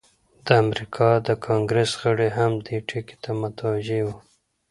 د امریکا د کانګریس غړي هم دې ټکي ته متوجه وو.